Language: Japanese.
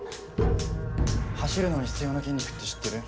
走るのに必要な筋肉って知ってる？